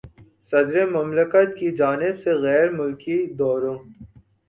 صدر مملکت کی جانب سے غیر ملکی دوروں